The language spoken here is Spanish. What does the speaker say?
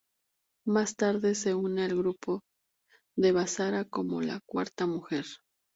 Más tarde se une al grupo de Basara como la cuarta mujer.